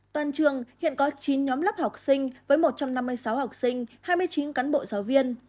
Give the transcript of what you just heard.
toàn trường hiện có chín nhóm lớp học sinh với một trăm năm mươi sáu học sinh hai mươi chín cán bộ giáo viên